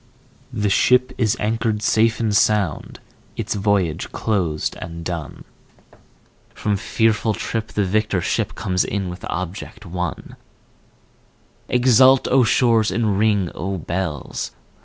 The ship is anchored safe and sound, its voyage closed and done, From fearful trip the victor ship comes in with object won; Exult O shores, and ring O bells!